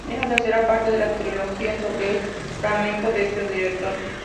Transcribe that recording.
Es la tercera parte de la trilogía sobre el flamenco de este director.